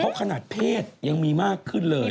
เพราะขนาดเพศยังมีมากขึ้นเลย